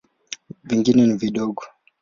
Vingine ni vidogo.